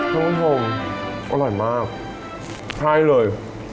คุณผู้ชมอร่อยมากใช่เลย